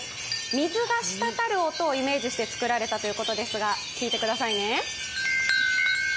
水がしたたる音をイメージして作られたということですが聞いてくださいね。